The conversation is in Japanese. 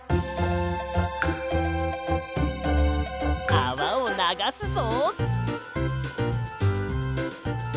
あわをながすぞ！